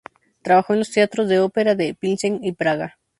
Trabajó en los teatros de ópera de Plzeň y Praga.